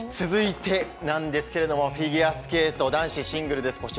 続いてなんですけれども、フィギュアスケート男子シングルです。